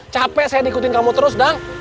capek saya diikutin kamu terus dang